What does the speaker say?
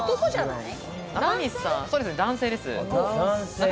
男性です。